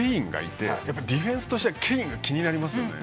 ディフェンスとしてはケインが気になりますよね。